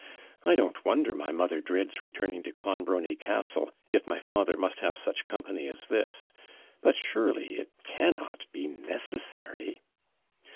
I don't wonder my mother dreads returning to Clonbrony Castle, if my father must have such company as this. But, surely, it cannot be necessary.